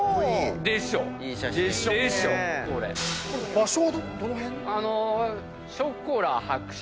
場所はどの辺？